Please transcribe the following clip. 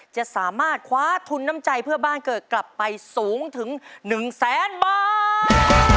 จะสามารถคว้าทุนน้ำใจเพื่อบ้านเกิดกลับไปสูงถึง๑แสนบาท